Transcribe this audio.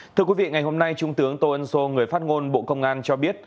thưa quý vị ngày hôm nay trung tướng tô ân sô người phát ngôn bộ công an cho biết